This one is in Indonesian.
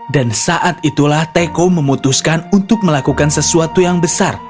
dan saat itulah teko memutuskan untuk melakukan sesuatu yang besar